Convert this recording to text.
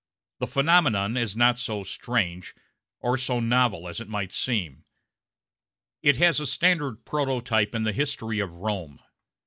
The phenomenon is not so strange, or so novel, as it might seem; it has a standard prototype in the history of Rome.